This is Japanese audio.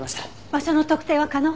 場所の特定は可能？